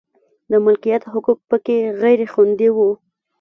د مالکیت حقوق په کې غیر خوندي و.